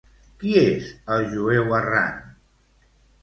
Qui és el jueu errant?